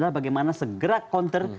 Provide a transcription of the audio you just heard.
adalah bagaimana segera counter